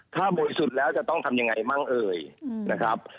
ถ้าบริสุทธิ์แล้วจะต้องทำยังไงมั่งเอ่ยนะครับ